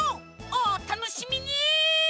おたのしみに！